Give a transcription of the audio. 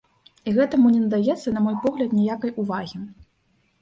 І гэтаму не надаецца, на мой погляд, ніякай увагі!